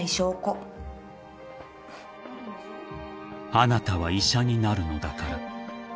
［あなたは医者になるのだから］